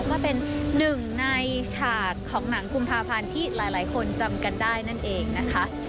ว่าเป็นหนึ่งในฉากของหนังกุมภาพันธ์ที่หลายคนจำกันได้นั่นเองนะคะ